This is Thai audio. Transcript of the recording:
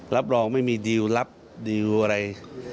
รับรองไม่มีดีลรับดีลอะไร